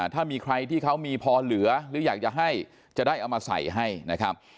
ถ้ามีใครที่เขามีพอเหลือหรืออยากจะให้จะได้เอามาใส่ให้นะครับ